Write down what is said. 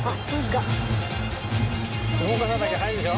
動かさなきゃ入るでしょ？